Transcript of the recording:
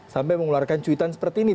sampai mengeluarkan cuitan seperti ini